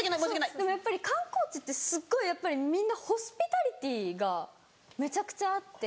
でもやっぱり観光地ってすごいやっぱりみんなホスピタリティーがめちゃくちゃあって。